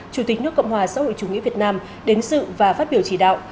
chủ tịch nước cộng hòa xã hội chủ nghĩa việt nam đến sự và phát biểu chỉ đạo